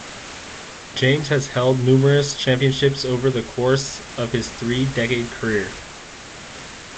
James has held numerous championships over the course of his three-decade career.